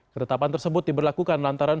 ketetapan tersebut diberlakukan lantaran